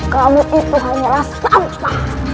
kamu itu hanyalah sampah